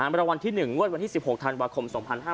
รางวัลที่๑งวดวันที่๑๖ธันวาคม๒๕๕๙